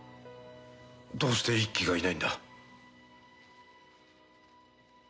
どうして一輝がいないんだ？